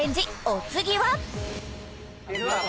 お次は？